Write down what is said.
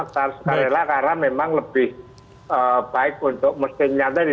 karena memang lebih baik untuk mesinnya tadi